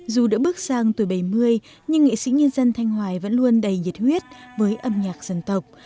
dù đã bước sang tuổi bảy mươi nhưng nghệ sĩ nhân dân thanh hoài vẫn luôn đầy nhiệt huyết với âm nhạc dân tộc